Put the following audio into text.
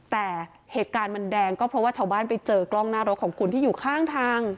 แต่เหตุการณ์มันแดงก็เพราะว่าชาวบ้านไปเจอกล้องหน้ารถของคุณที่อยู่ข้างทาง